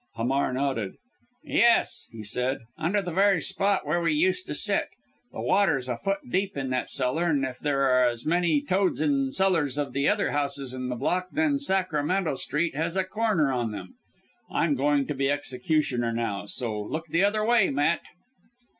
Hamar nodded. "Yes!" he said; "under the very spot where we used to sit. The water's a foot deep in that cellar, and if there are as many toads in the cellars of the other houses in the block, then Sacramento Street has a corner in them. I'm going to be executioner now, so look the other way, Matt!"